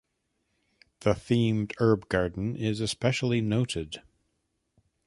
The themed herb garden is especially noted.